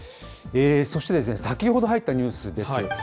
そして先ほど入ったニュースです。